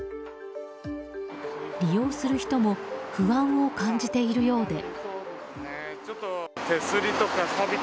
利用する人も不安を感じているようで。